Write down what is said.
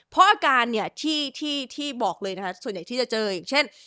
เพราะอาการเนี่ยที่บอกเลยนะคะส่วนใหญ่ที่จะเจออย่างเช่น